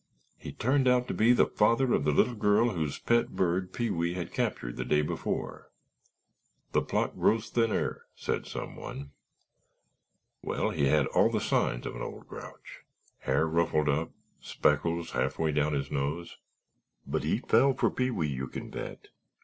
He turned out to be the father of the little girl whose pet bird Pee wee had captured the day before." "The plot grows thinner," said someone. "Well, he had all the signs of an old grouch, hair ruffled up, spectacles half way down his nose—but he fell for Pee wee, you can bet.